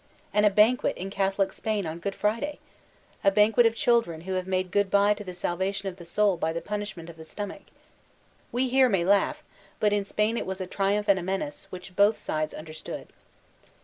And a banquet in Catholic Spain on Good Friday 1 A banquet of diil dren who have bade good bye to the salvation of the soul by the punishment of the stomach ! We here may laugh ; but in Spain it was a triumph and a menace, which both sides understood.